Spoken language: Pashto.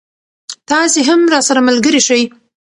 تاسې هم راسره ملګری شئ.